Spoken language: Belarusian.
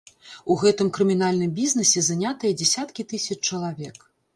У гэтым крымінальным бізнэсе занятыя дзясяткі тысяч чалавек.